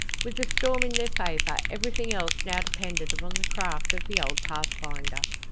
With the storm in their favor everything else now depended upon the craft of the old pathfinder.